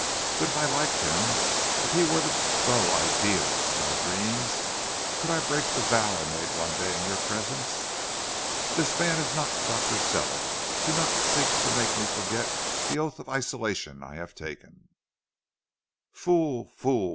But if I liked him, if he were the beau ideal of my dreams, could I break the vow I made one day in your presence? This man is not Dr. Sellick; do not then seek to make me forget the oath of isolation I have taken.' "'Fool! fool!'